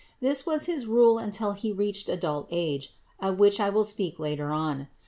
This was his rule until He reached adult age, of which I will speak later on.